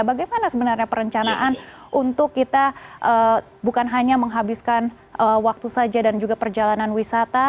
bagaimana sebenarnya perencanaan untuk kita bukan hanya menghabiskan waktu saja dan juga perjalanan wisata